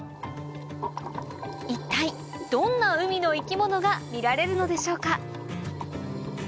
一体どんな海の生き物が見られるのでしょうか？